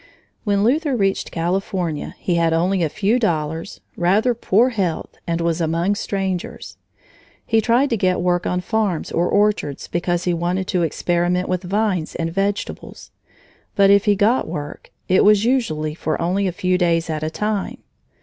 When Luther reached California, he had only a few dollars, rather poor health, and was among strangers. He tried to get work on farms or orchards, because he wanted to experiment with vines and vegetables. But if he got work, it was usually for only a few days at a time.